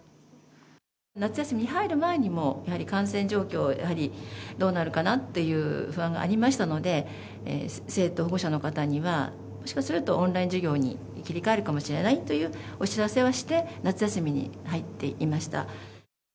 夏休みに入る前にも、やはり感染状況、やはりどうなるかなっていう不安がありましたので、生徒・保護者の方には、もしかするとオンライン授業に切り替えるかもしれないというお知らせをして、夏休みに入っていました。